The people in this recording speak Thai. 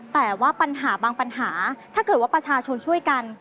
แต่ว่าปัญหาบางปัญหาถ้าเกิดว่าประชาชนช่วยกัน